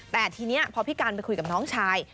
แต่ทีนี้พอพี่การไปคุยกับน้องชาย